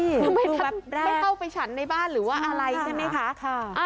ทำไมไม่เข้าไปฉันในบ้านหรือว่าอะไรใช่ไหมคะ